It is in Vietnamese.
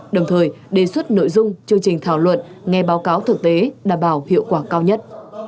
đồng thời đề xuất nội dung chương trình thảo luận nghe báo cáo thực tế đảm bảo hiệu quả cao nhất